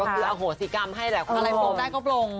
ก็คืออโหสิกรรมให้แหละอะไรปลงได้ก็ปลง